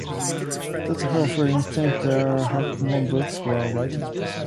That's how, for instance, the Hawkmoon books were written.